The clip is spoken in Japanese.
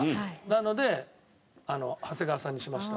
なので長谷川さんにしました。